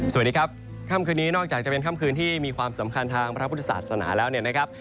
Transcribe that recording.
สวัสดีครับค่ำคืนนี้นอกจากจะเป็นค่ำคืนที่มีความสำคัญทางพระพุทธศาสนาแล้วเนี่ยนะครับ